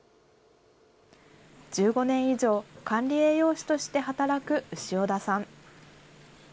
１５年以上、管理栄養士として働く潮田さん。